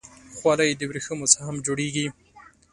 خولۍ د ورېښمو څخه هم جوړېږي.